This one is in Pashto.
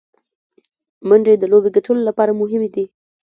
منډې د لوبي ګټلو له پاره مهمي دي.